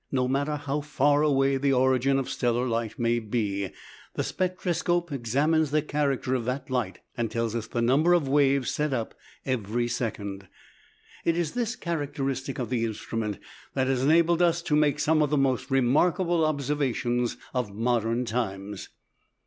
No matter how far away the origin of stellar light may be, the spectroscope examines the character of that light, and tells us the number of waves set up every second. It is this characteristic of the instrument that has enabled us to make some of the most remarkable observations of modern times.